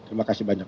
terima kasih banyak